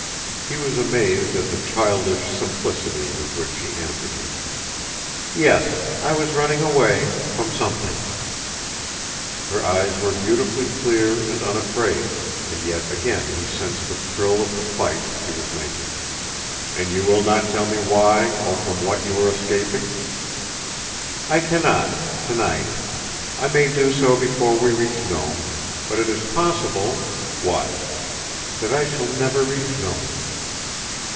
He was amazed at the childish simplicity with which she answered him. "Yes, I was running away—from something." Her eyes were beautifully clear and unafraid, and yet again he sensed the thrill of the fight she was making. "And you will not tell me why—or from what you were escaping?" "I can not—tonight. I may do so before we reach Nome. But—it is possible—" "What?" "That I shall never reach Nome."